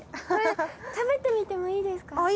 これ食べてみてもいいですか？